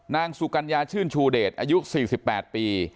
นางสุกัญญาชื่นชูเดชอายุ๔๘ปี